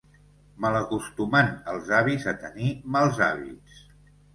Malacostumant els avis a tenir mals hàbits.